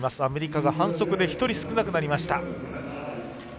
アメリカが反則で１人少なくなりました。